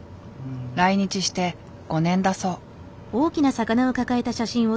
来日して５年だそう。